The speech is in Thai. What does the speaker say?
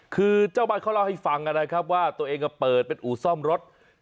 คือเจ้าบ้านเขาเล่าให้ฟังนะครับว่าตัวเองก็เปิดเป็นอู่ซ่อมรถ